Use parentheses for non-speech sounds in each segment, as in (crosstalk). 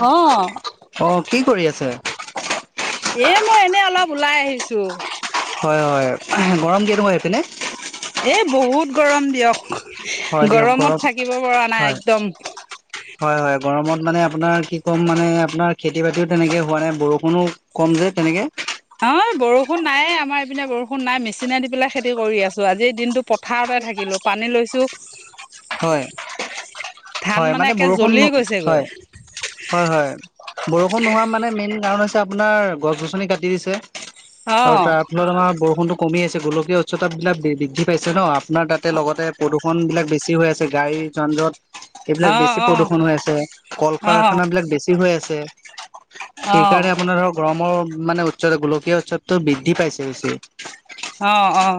অ', অ কি কৰি আছে? এ মই এনেই অলপ ওলাই আহিছো। হয়, হয় গৰম কেনেকুৱা আহপিনে? এ বহুত গৰম দিয়ক। হয় দিয়ক গৰম গৰমত থাকিব পৰা নাই হয় একদম। হয় হয় গৰমত মানে আপোনাৰ কি ক'ম মানে আপোনাৰ খেতি বাতিও তেনেকে হোৱা নাই বৰষুণো কম যে তেনেকে। (unintelligible) বৰষণ নায়ে আমাৰ এইপিনে বৰষুণ নাই মেচিনে দি পেলাই খেতি কৰি আছো আজিৰ দিনটো পথাৰতে থাকিলো পানী লৈ সুখ। হয়, হয় মানে একে বৰষুণ জ্বলি গৈছেগৈ। হয় হয়, হয় বৰষুণ নোহোৱা মানে মেইন কাৰণ আপোনাৰ গছ গছনি কাটি দিছে আৰু অ', তাৰ ফলত আমাৰ বৰু কম আছে গোলকীয় উচ্চতাবিলাক বৃদ্ধি পাইছে ন আপোনাৰ তাতে লগতে প্ৰদূষণবিলাক বেছি হৈ আছে গাড়ী যানজট এইবিলাক অ', বেছি অ', প্ৰদূষণ হৈ আছে কল অ', কাৰখানা বিলাক বেছি হৈ আছে অ', সেইকাৰণে আপোনাৰ ধৰক গৰমৰ মানে উচ্চত গোলকীয় উৎসৱতটো বৃদ্ধি পাইছে হৈছে। অ' অহ।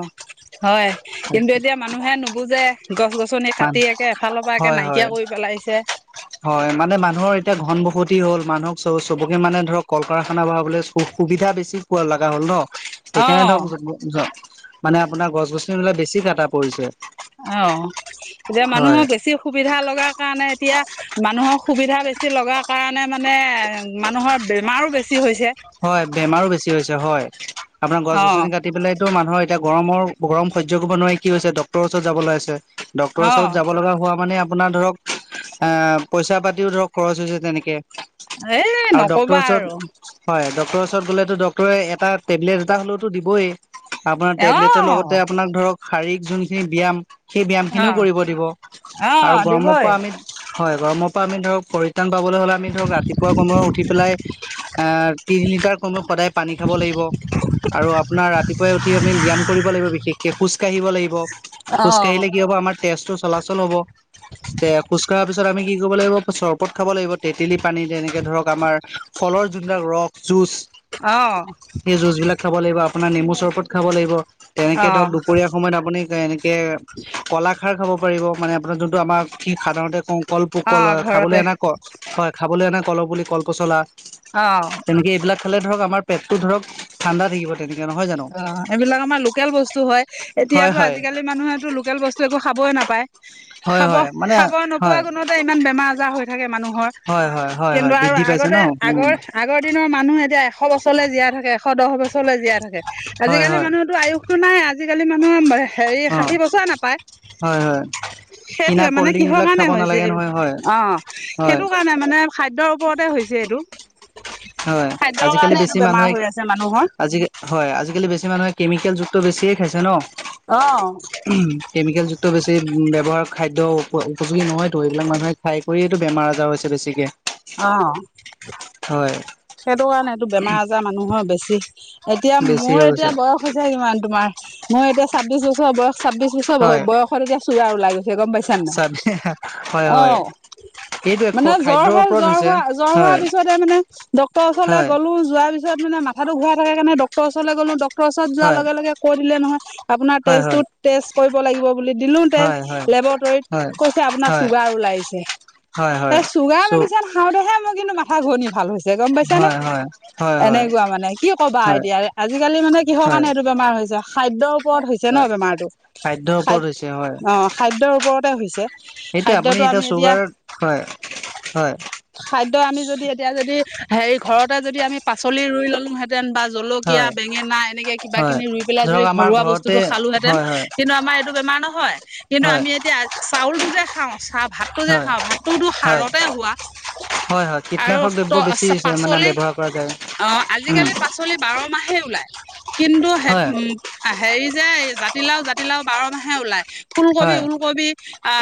হয় কিন্তু এতিয়া মানুহে নুবুজে গছ গছনি মান কাটি একে এফালৰ পৰা একে হয় নাইকিয়া হয়। কৰি পেলাই পছে হয় মানে মানুহৰ এতিয়া ঘন বসতি হ'ল মানুহ চব চবকে মানে ধৰক কল কাৰখানা বন়াবলৈু সুবিধা বেছি পোৱা লগা হ'ল ন। সেইকাৰণে অ', ধৰক ধ মানে আপোনাৰ গছ গছনিবিলাক বেছি কটা পৰিছে। অ, এতিয়া হয় মানুহৰ বেছি সুবিধা লগাৰ কাৰণে এতিয়া। মানুহৰ সুবিধা বেছি লগাৰ কাৰণে মানে মানুহৰ বেমাৰো বেছি হৈছে। হয় বেমাৰো বেছি হৈছে হয় আপোনাৰ অ গছ-গছনি কাটি পেলাই। টো মানুহৰ এতিয়া গৰমৰ গৰম সয্য কৰিব নোৱাৰি কি হৈছে ডক্টৰৰ ওচৰত যাবলৈ আছে। ডক্টৰৰ ওচৰত যাব অ লগা হোৱা মানে। আপোনাৰ ধৰক এ পইচা পাতিও ধৰক খৰচ হৈছে তেনেকে। এই আৰু ডক্টৰৰ নকবা ওচৰত। আৰু হয় ডক্টৰৰ ওচৰত গ'লে ডক্টৰে এটা টেবলেট এটা হ'লেও দিবৈ। আপোনাৰ টেবলেটৰ লগতে অ আপোনাক ধৰক শাৰীৰিক যোনখিনি ব্যয়াম। সেই ব্যায়াম অ খিনিও কৰিব দিব অ আৰু গৰমৰ দিবই পৰা আমি। হয় গৰমৰ পৰা আমি ধৰক পৰিত্ৰাণ পাবলৈ হ'লে আমি ধৰক ৰাতিপুৱা কোমৰ উঠি পেলাই। অ, তিনি লিটাৰ কমে সদায় পানী খাব লাগিব। আৰু আপোনাৰ ৰাতিপুৱাই উঠি আমি ব্যায়াম কৰিব লাগিব বিশেষকে খোজ খোজকাঢ়িব লাগিব অ খোজকাঢ়িলে কি হ'ব আমাৰ তেজটো চলাচল হ'ব। তে, খোজ কঢ়াৰ পিছত আমি কি কৰিব লাগিব চৰবত খাব লাগিব তেতেলী পানী তেনেকে ধৰক আমাৰ ফলৰ যোনবিলাক ৰস যুজ অ সেই যুজ বিলাক খাব লাগিব। আপোনাৰ নেমু চৰবত খাব লাগিব অ তেনেকে ধৰক দুপৰীয়া সময়ত আপুনি। এনেকে কলাখাৰ খাব পাৰিব মানে আপোনাৰ যোনটো আমাক সাধাৰণতে কওঁ। কলপ অ কল হয় ঘৰতে খাবলৈ অনা, ক হয় খাবলৈ অনা কল পুলি কলপচলা। অ তেনেকে এইবিলাক খালে ধৰক আমাৰ পেটতটো ধৰক ঠাণ্ডা থাকিব। তেনেকে নহয় জানো অ, এইবিলাক আমাৰ লোকেল বস্তু হয় হয় এতিয়াতো হয় আজিকালি মানুহেতো লোকেল বস্তু একো খাবয় নাপায়। হয় খাব, হয় মানে খাব নোপোৱা হয় গুণতে ইমান বেমাৰ আজাৰ হৈ থাকে মানুহ। হয় হয় হয় হয় কিন্তু আৰু বৃদ্ধি পাইছে ন আগতে আগৰ উম আগৰ দিনৰ, মানুহ এতিয়া। এশ বছৰলৈ জীয়াই থাকে এশ দহ বছৰলৈ জিয়া থাকে হয় আজিকালি হয় মানুহতো আয়ুসতো নাই আজি। আজিকালি মানুহে হেৰি অ ষাঠি বছৰে নাপায়। হয় হয় কিনা সেইটোয়ে কল্ড মানে ড্ৰিংক কিহৰ বিলাক কাৰণে খাব হৈছে নালাগে নহয় হয় অ, হয় সেইটো কাৰণে মানে খাদ্য়। ওপৰতে হৈছে এইটো। হয় খাদ্যৰ আজিকালি কাৰণে এইটো বেছি বেমাৰ মানুহে, হৈ আছে মানুহৰ আজি হয়, আজিকালি বেছি। সেই মানুহে কেমিকেলযুক্ত বেছিয়ে খাইছে ন। অ কেমিকেল, যুক্ত বেছি ব্যৱহাৰ। খাদ্য উপ উপযোগী নহয়তো এইবিলাক মানুহে খাই কৰিতো বেমাৰ আজাৰ হৈছে বেছিকে। অ, হয়। সেইটো কাৰণে এইটো বেমাৰ আজাৰ মানুহৰ বেছি। এতিয়া বেছি মোৰ হৈ এতিয়া গৈছে বয়স হৈছে কিমান তোমাৰ, মোৰ এতিয়া ছাব্বিশ বছৰ বয়স। ছাব্বিশ বছৰ হয় বয়সত এতিয়া চুগাৰ ওলাই গৈছে গম পাইছানে নাই। চাবি হয় অ, হয় এইটোৱে মানে জ্বৰ খাদ্যৰ হ'ল ওপৰত জ্বৰ হৈছে হোৱা জ্বৰ, হোৱাৰ হয় পিছতে মানে, ডক্ট ডক্টৰৰ ওচলৈ হয় গ'লো যোৱাৰ পিছত মানে মাথাটো ঘূৰাই থাকে কাৰণে ডক্টৰৰ ওচলৈ গ'লো, ড ওচৰত যোৱাৰ হয় লগে লগে কৈ দিলে নহয় আপোনাৰ হয় তেচটু হয় তেচ কৰিব লাগিব বুলি দিলো তেচ হয় হয় লেবৰটৰীত কৈছে আপোনাৰ হয় চুগাৰ ওলাইছে। হয় হয় হয় এই চুগাৰ চ' মেডিচিন খাওঁতেহে মোৰ কিন্তু মাথা ঘূৰণি ভাল হৈছে। যে গম পাইছা নে হয় হয় হয় হয় এনেকুৱা মানে কি ক'বা হয় এতিয়া আজিকালি মানে কিহৰ হয় কাৰণে এইটো বেমাৰ হৈ। খাদ্যৰ ওপৰত হৈছে ন হয় বেমাৰতটো খাদ্যৰ খাদ ওপৰত হৈছে অ, খাদ্যৰ ওপৰতে হৈছে। সেইটো আপুনি খাদ্যটো এতিয়া আমি চুগাৰ হয়। হয়, খাদ্য আমি, যদি এতিয়া যদি। হেৰি ঘৰতে যদি আমি পাচলি ৰুই ল'লো হেতেন বা। জলকিয়া, হয়, বেঙেনা এনেকে কিবা হয়। কিনি ৰুই পেলাই ধৰক যদি আমাৰ ঘৰুৱা ঘৰতে বস্তুটো খালো হেতেন হয়, হয়, তেতিয়া আমাৰ সেইতো বেমাৰ। নহয় কিন্তু হয়, আমি এতিয়া চাউলটো যে। খাওঁ চা ভাতটো যে হয়, খাওঁ ভাতটোতো হয়, সাৰতে হোৱা হয়, হয়। আৰু কীটনাশক ত দ্ৰব্য বেছি মানে পাচলি ব্যৱহাৰ কৰা যায়। অ উম, 'আজিকালি পাচলি বাৰ মাহে ওলাই কিন্তু স হয়, উ হেৰি যে জাতিলাও জাতিলাও বাৰ মাহে ওলায়। ফুলকবি, হয়, ওলকবি আ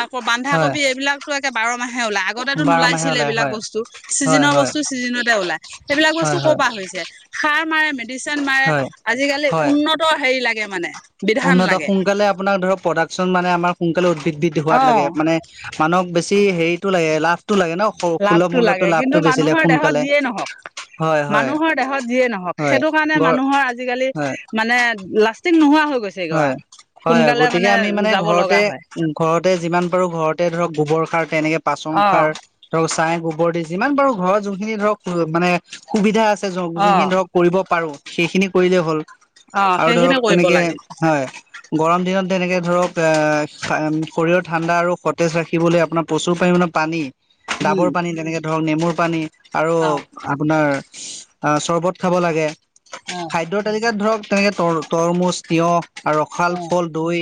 হয়। বন্ধাকবি এইবিলাকতো একে বাৰ মাহে ওলাই আগতেতো বাৰ মাহে নোলাইছিলে ওলাই এইবিলাক হয়, বস্তু হয়, চিজনৰ হয়, বস্তু চিজনতে ওলাই সেইবিলাক বস্তু হয়, ক'ৰ হয়, পৰা হৈছে সাৰ মাৰে সিন মাৰে হয়, আজিকালি হয়। উন্নত হেৰি লাগে মানে বিধান লাগে। চন মানে আমাৰ সোনকালে উদ্ভিদ ব হোৱাতাগ অ' মোনুক বেছি হেৰিতটো লাগে লাভ লাভটো লাগে কিন্তু মানুহৰ দেহত সোনকালে যিয়েই নহওক। হয়, হয়, মানুহৰ দেহত যিয়ে নহওক হয়। সেইটো কাৰণে ম গৰ মানুহৰ আজিকালি হয় মানে লাষ্টিং নোহোৱা হৈ গৈছে আৰু। হয় হয় গতিকে আমি মানে ঘৰতে উ ঘৰতে যিমান পাৰো ঘৰতে ধৰক গোবৰ সাৰ তেনেকে পাচন অ সংসাৰ ধৰক ছাই গোবৰ দি যিমান পাৰো ঘৰৰ যোনখিনি ধৰক মানে সুবিধা আছে অ যোনখিনি ধৰক কৰিব পাৰো সেইখিনি কৰিলে হ'ল। অ আৰু সেইখিনি ধৰক কৰিব তেনেকে লাগে হয় গৰম দিনত তেনেকে ধৰক শৰীৰৰ ঠাণ্ডা আৰু সতেজ ৰাখিবলৈ আপোনাৰ প্ৰচুৰ পৰিমাণৰ পানী উম ডাবৰ পানী তেনেকে ধৰক নেমুৰ পানী আৰু অ আপোনাৰ আহ চৰ্বত খাব লাগে অ খাদ্যৰ তালিকাত ধৰক তেনেকে ত তৰমুজ তিয়হ আৰু ৰসাল অ ফল দৈ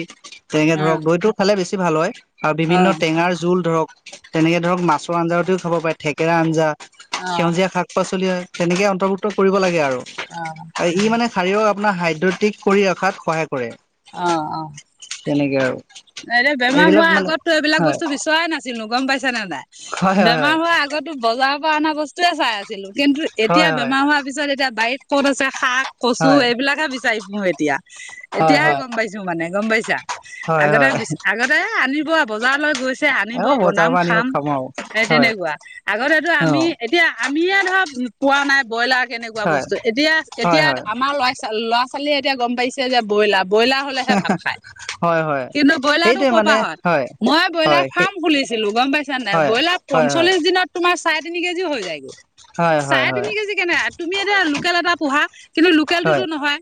তেনেকে অ অ ধৰক দৈতটো খালে বেছি ভাল হয় আৰু বিভিন্ন টেঙ যুল ধৰক তেনেকে ধৰক মাছৰ আঞ্জাতেও খাব পাৰে থেকেৰা আঞ্জা অ সেউজীয়া শাক পাচলি তেনেকৈ অন্তৰ্ভুক্ত কৰিব লাগে আৰু। অ ই মানে শাৰীক আপোনাৰ হাইড্ৰটিক কৰি ৰখাত সহায় কৰে। আহ আহ। তেনেকৈ আৰু। এ বেমাৰ এইবিলাক হোৱাৰ মানে আগতো এইবিলাক হয়, বস্তু বিচৰাই নাছিলো গম পাইছো ছে নে হয়, নাই বেমাৰ হয়, হোৱাৰ আগতো বজাৰৰ পৰা অনা বস্তুয়ে চাই আছিলো। কিন্তু এতিয়া হয়, হয়, বেমাৰ হোৱাৰ পিছত এতিয়া বাৰীত ক'ত আছে শাক হয়, কচু হয়। এইবিলাকে বিচাৰি পু এতিয়া। হয়, এতিয় গম পাইছো মানে গম পাইছা। হয়, হয়, আগতে হয়, বি আগতে আনিব বজাৰলৈ গৈছে এ আনিব বজাৰৰ বনাম পৰা আনিব খাম। আৰু সেই হয়, তেনেকুৱা আগতেতো আমি অ', এতিয়া আমিয়ে ধৰ পোৱা নাই ব্ৰইলাৰ কেনেকুৱা হয়, বস্তু এতিয়া হয়, এতিয়া হয়। আমাৰ লৰা ল'ৰা ছোৱালীয়ে এতিয়া গম পাইছে যে ব্ৰইলাৰ ব্ৰইলাৰ হ'লেহে ভাত খায়। হয় হয় কিন্তু ব্ৰইলাৰটো সেইটোৱে মানে কপা হয় মই ব্ৰইলাৰ হয় ফাৰ্ম খুলিছিলো গম পাইছা নাই হয় ব্ৰইলাৰ হয় হয় পঞ্চল্লিশ দিনত তোমাৰ চাৰে তিনি কেজি হৈ যায়গৈ। হয় হয় চাৰে হয় তিনি কেজি কেনে তুমি এতিয়া লোকেল এটা পোহা কিন্তু হয় লোকেলটোতো নহয়।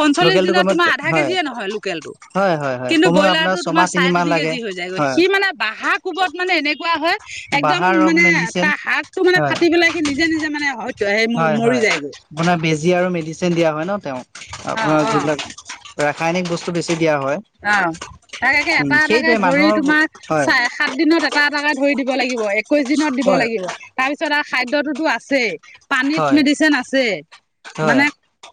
পঞ্চল্লিশ লোকেলটো দিনত গমত তোমাৰ আধা হয় কেজিয়ে নহয় লোকেলটো। হয় হয় হয় টো কমেও ব্ৰইলাৰ আপোনাৰ টো তোমাৰ ছমাহ চাৰে তিনিমাহ তিনি লাগে কেজি হৈ যায়গৈ হয় সি মানে বাঁহা কোবত মানে এনেকুৱা হয় একদম বাহাৰ মানে মেডিচিন তাৰ হাৰাতটো মানে হয় ফাটি পেলাই সি নিজে নিজে মানে হয়ত সেই মৰি যায়গৈ। যি আৰু মেডিচিন দিয়া হয় ন তেওঁ অ আপোনাৰ অ যিলাক বস্তু দিয়া হয় অ' তাক একে উম এটা এটাকে সেইটোৱে ধৰি মানুহৰ তোমাৰ চ হয় সাত দিনত এটা টাকে ধৰি দিব লাগিব একৈশ দিনত দিব হয় লাগিব তাৰপিছত আৰু খাদ্যটোতো আছেই। পানীত হয় মেডিচিন আছে হয় মানে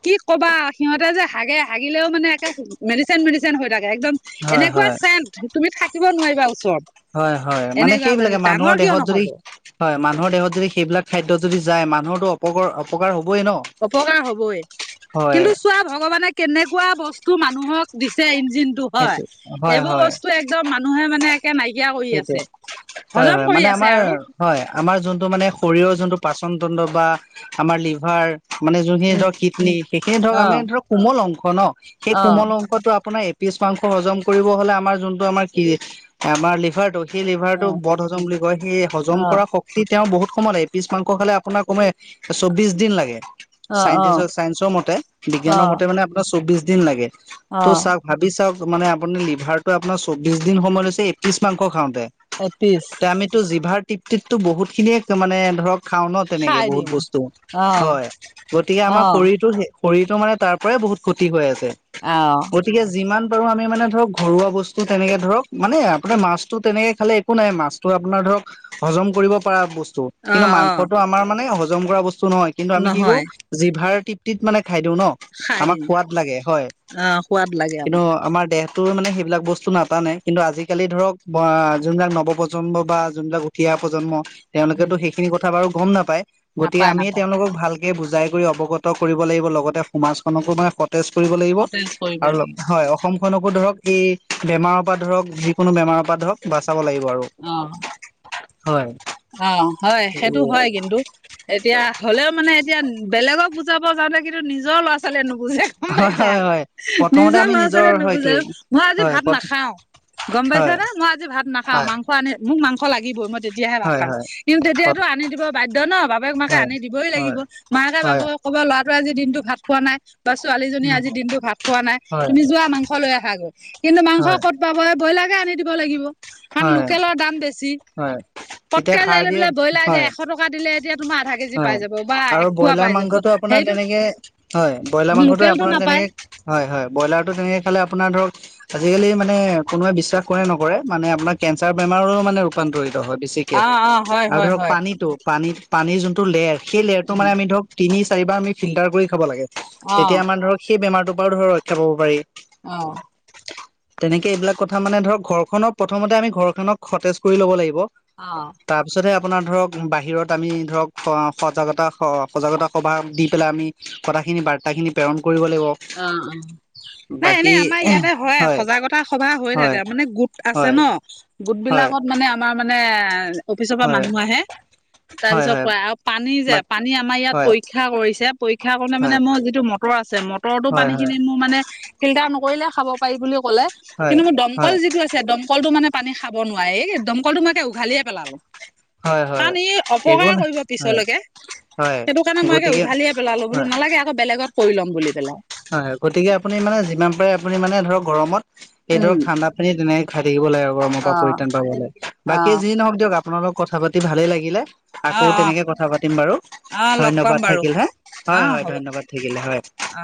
কি ক'বা আৰু সিহঁতে যে হাগে হাগিলেও মানে একে মেডিচিন মেডিচিন একদম হয় এনেকুৱা হয় চেণ্ট তুমি থাকিব নোৱাৰিবা ওচৰত। হয়, হয় মানে এনেকুৱা সেইবিলাকে মানুহৰ ডাঙৰ কিয় দেহত যদি নহব হয় মানুহৰ দেহত যদি সেইবিলাক খাদ্য যদি যায় মানুহটো অপ অপকাৰ হ'ব। অপকাৰ হ'বই হয় কিন্তু চোৱা ভগৱানে কেনেকুৱা বস্তু মানুহক দিছে ইঞ্জিন টো হয় সেইটো হয় এইবোৰ হয় বস্তু একদম মানুহে মানে একে নাইকিয়া কৰি সেইটোৱে আছে হয় হজম হয় কৰি মানে আছে আমাৰ আৰু হয় আমাৰ যোনটো মানে শৰীৰৰ যোনটো পাচন বা আমাৰ লিভাৰ মানে যোনখিনি উম ধৰক কিডন সেইখিনি ধৰক অ আমি ধৰক কোমল অংক ন' সেই অ কোমল অংশটো আপোনাৰ এপিছ মাংস হজম কৰিব হ'লে আমাৰ যোনটো আমাৰ কি আমাৰ লিভাৰটো সেই অ লিভাৰটো বদ হজম বুলি কয় সেই হজম অ কৰা শক্তিত তেওঁ বহুত সময় লাগে এপিছ মাংস খালে আপোনাৰ কমেও চৌবিশ দিন লাগে। অ চাইন্টিচ চাইঞ্চৰ মতে অ অ বিজ্ঞানৰ মতে মানে আপোনাৰ চৌবিশ দিন লাগে। অ ত' চাওক ভাবি চাওক মানে আপুনি লিভাৰতটো আপোনাৰ চৌবিশ দিন সময় লৈছে এপিছ মাংস খাওঁতে। এপিচ এ আমিতো জিভাৰ তৃপ্তিতো বহুত খিনিয়ে মানে ধৰক খাওঁ ন' তেনেকে খাই বহুত দিওঁ বস্তু অ হয় গতিকে অ আমাৰ শৰীৰটো শৰীৰটো মানে তাৰ পৰাই বহুত ক্ষতি হৈ আছে। আহ গতিকে যিমান বাৰো আমি মানে ধৰক ঘৰুৱা বস্তু তেনেকে ধৰক মানে আপোনাৰ মাছটো তেনেকে খালে একো নাই মাছটো আপোনাৰ ধৰক হজম কৰিব পৰা বস্তু। অ কিন্তু অ মাংসটো আমাৰ মানে হজম কৰা বস্তু নহয় কিন্তু আমি কি কৰো নহয় জিভাৰ তৃপ্তিত মানে খাই দিওঁ ন' খাই আমাক দিওঁ সোৱাদ লাগে হয়। অ সোৱাদ লাগে কিন্তু আমাক আমাৰ দেহ টোৱে মানে সেইবিলাক বস্তু নাটানে কিন্তু আজি আজিকালি ধৰক যোনবিলাক নৱ প্ৰজন্ম বা যোনবিলাক উঠিয়া প্ৰজন্ম উম তেওঁলোকেতো সেইখিনি কথা বাৰু গম নাপায় গতিকে নাপায় আমিয়ে নাপায় তেওঁলোকক ভাল বুজাই কৰি অৱগত কৰিব লাগিব লগতে সমাজখনকো মানে স তেজ কৰিব লাগিব সতেজ কৰিব আৰু লাগে হয় অসমখনকো ধৰক এই বেমাৰৰ পৰা ধৰক কোনো বেমাৰৰ পৰা ধৰক বাচাব লাগিব আৰু। অ হয় অ' হয় সেইটো এইবোৰে হয় কিন্তু, এতিয়া হ'লেও মানে এতিয়া বেলেগক বুজাব যাতে কিন্তু নিজৰ ল'ৰা ছোৱালীয়ে নুবুজে গম হয় পাইছা। হয় হয় প্ৰথমতে নিজৰ আমি ল'ৰা ছোৱালীয়ে নুবুজে হয়টোৱে মই আজি হয় ভাত হয় নাখাওঁ। গম হয় পাইছানে, মই আজি ভাত নাখাওঁ। হয় মাংস আনি মোক মাংস লাগিবই মই তেতিয়াহে ভাত হয় হয় কিন্তু তেতিয়াতো আনি দিব বাধ্য ন'। বাপেক মাকে হয় আনি দিবই লাগিব মাকে হয় বাপেকক ক'ব ল'ৰাটোৱ আজি দিনতটো ভাত খোৱা নাই। বা ছোৱালীজনীয়ে উম আজি দিনটো ভাত খোৱা নাই। হয় তুমি যোৱা মাংস লৈ আহা গৈ কিন্তু, মাংস হয় ক'ত পাব ব্ৰইলাৰ আনি দিব লাগিব কাৰণ হয় লোকেলৰ দাম বেছি। হয় এতিয়া পটকে সাৰ যাই লৈ দিয়ে বোলে ব্ৰইলাৰ এতিয়া হয় এশ টকা দিলে এতিয়া তোমাৰ আধা কেজি হয় পাই যাব বা আৰু এক পোৱা ব্ৰইলাৰ পাই যাব মাংসটো আপোনাৰ সেইটো তেনেকে হয় ব্ৰইলাৰ মাংসতোৱে লোকেলটো আপোনাৰ নাপায়। তেনেকে হয় হয় ব্ৰইলাৰটো তেনেকে খালে আপোনাৰ ধৰক আজিকালি মানে কোনোৱে বিশ্বাস কৰে নকৰে মানে আপোনাৰ কেঞ্চাৰ বেমাৰৰো মানে ৰূপান্তৰিত হয় বেছিকে অ অ হয় আৰু হয় ধৰক হয় পানীতটো পানী পানীৰ যোনটো লেয়ৰ সেই লেয়াৰটো মানে আমি ধৰক তিনি চাৰিবাৰ আমি ফিল্টাৰ কৰি খাব লাগে অ তেতিয়া আমাৰ ধৰক সেই বেমাৰটো বাৰু ধৰক ৰক্ষা পাব পাৰি। অ'। তেনেকে এইবিলাক কথা মানে ধৰক ঘৰখনক প্ৰথমতে আমি ঘৰখনক সতেজ কৰি ল'ব লাগিব। অ অ তাৰপিছতে আপোনাৰ ধৰক বাহিৰত আমি ধৰক সজাগতা সজাগতা সভা দি পেলাই আমি কথা খিন বাৰ্তা খিনি প্ৰেৰণ কৰে অ' অ' নাই বাকী এনেই আমাৰ ইয়াতে হয় সজাগতা সভা হৈ হয় থাকে মানে গোট আছে আছে হয় ন গোট হয় বিলাকত মানে আমাৰ মানে অফিচৰ পৰা হয় মানুহ আহে তাৰ হয় পিছত হয় কোৱা আৰু পানী যে বাক পানী আমাৰ ইয়াত হয় পৰীক্ষা কৰিছে পৰীক্ষা কৰোতে মানে হয় মই যিটো মটৰ আছে মটৰতো হয় পানী হয় খিনি মোৰ মানে ফিল্টাৰ নকৰিলে খাব পাৰি বুলি ক'লে হয় কিন্তু মোৰ দমকল যিটো আছে দমকলটো মানে পানী খাব নোৱাৰি। এই দমকল মই একে উঘালিয়ে পেলালো। হয় হয় হয় কাৰণ ই একো অপকাৰ ন কৰিব হয় পিছলৈকে। হয় সেইটো কাৰণে মই একে গতিকে উঘালিয়ে পেলালো বোলো হয় নালাগে আকৌ বেলেগত কৰি ল'ম। বুলি পেলাই হয় হয় গতিকে আপুনি মানে যিমান পাৰে আপুনি মানে ধৰক গৰমত এই ধৰক উম ঠাণ্ডা পানী তেনেক খাই থাকিব লাগে গৰমৰ অ পৰা পৰিত্ৰাণ পাব লাগে। অ বাকী যি নহওঁক দিয়ক আপোনাৰ লগত কথা পাতি ভালেই লাগিলে। অ আকৌ অ তেনেকে কথা পাতিম বাৰু। অ লগ পাম ধন্যবাদ বাৰু থাকিল হা অ হয়, হয় হ'ব ধন্যবাদ থাকিলে হয়। অ